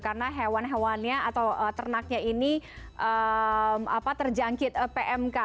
karena hewan hewannya atau ternaknya ini terjangkit pmk